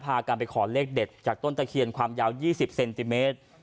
พากันไปขอเลขเด็ดจากต้นตะเคียนความยาว๒๐เซนติเมตร